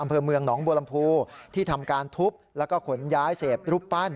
อำเภอเมืองหนองบัวลำพูที่ทำการทุบแล้วก็ขนย้ายเสพรูปปั้น